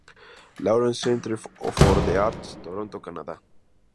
Lawrence Centre for the Arts, Toronto, Canadá.